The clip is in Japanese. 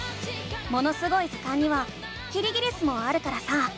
「ものすごい図鑑」にはキリギリスもあるからさ